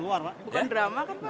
bukan drama kan pak